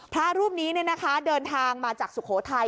พระรูปนี้เดินทางมาจากสุโขทัย